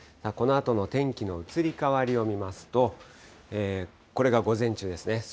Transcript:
このあとの天気の移り変わりを見ますと、これが午前中ですね。